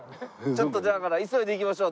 ちょっとだから急いで行きましょう。